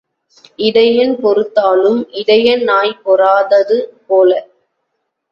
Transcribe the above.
இடையன் பொறுத்தாலும் இடையன் நாய் பொறாதது போல.